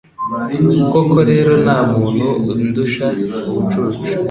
Koko rero nta muntu undusha ubucucu